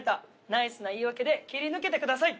ナイスな言い訳で切り抜けてください。